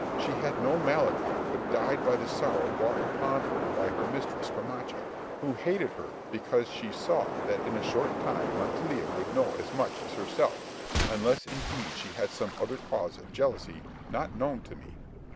She had no malady, but died by the sorrow brought upon her by her mistress, Camacha, who hated her because she saw that in a short time Montiela would know as much as herself, unless indeed she had some other cause of jealousy not known to me.